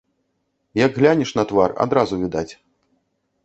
Як глянеш на твар, адразу відаць.